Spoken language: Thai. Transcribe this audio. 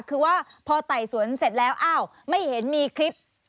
คือว่าพอไต่สวนเสร็จแล้วอ้าวไม่เห็นมีคลิป